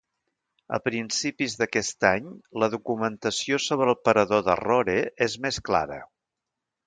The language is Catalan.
A principis d'aquest any, la documentació sobre el parador de Rore és més clara.